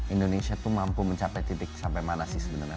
indonesia itu mampu mencapai titik sampai mana sih sebenarnya